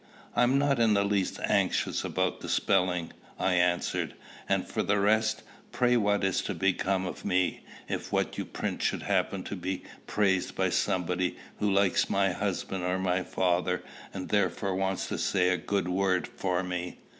"I am not in the least anxious about the spelling," I answered; "and for the rest, pray what is to become of me, if what you print should happen to be praised by somebody who likes my husband or my father, and therefore wants to say a good word for me?